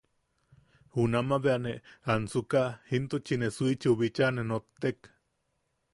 Junama bea ne ansuka intuchi ne Suichiu bicha ne nottek.